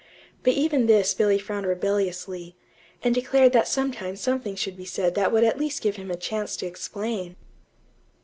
But even this Billy frowned rebelliously, and declared that sometime something should be said that would at least give him a chance to explain.